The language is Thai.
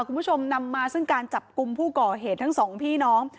คุณผู้ชมนำมาซึ่งการจับกลุ่มผู้ก่อเหตุทั้งสองพี่น้อง